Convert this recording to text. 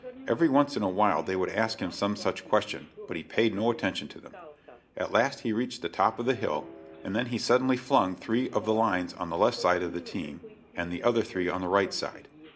Every once in a while they would ask him some such question, but he paid no attention to them. At last he reached the top of the hill, and then he suddenly flung three of the lines on the left side of the team, and the other three on the right side.